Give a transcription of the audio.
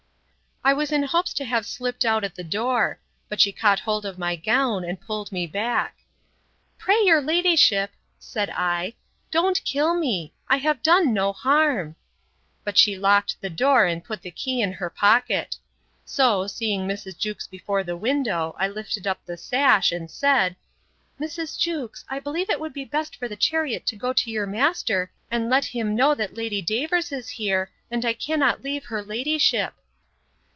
I was in hopes to have slipt out at the door; but she caught hold of my gown, and pulled me back. Pray your ladyship, said I, don't kill me!—I have done no harm.—But she locked the door, and put the key in her pocket. So, seeing Mrs. Jewkes before the window, I lifted up the sash, and said, Mrs. Jewkes, I believe it would be best for the chariot to go to your master, and let him know, that Lady Davers is here; and I cannot leave her ladyship.